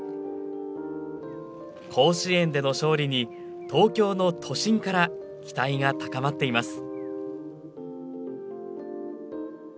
甲子園での勝利に東京の都心から期待が高まっています。